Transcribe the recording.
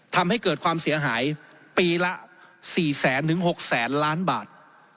ทำให้เกิดความเสียหายปีละ๔แสนถึง๖๐๐๐ล้านบาท